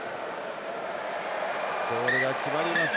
ゴールが決まります。